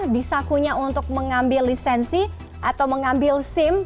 disakunya untuk mengambil lisensi atau mengambil sim